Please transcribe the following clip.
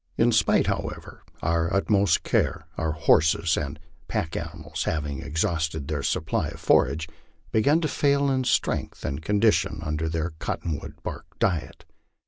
In spite, however, of our utmost care, our horses and pack animals, having exhausted their supply of forage, began to fail in strength and condition under their cottonwood bark diet.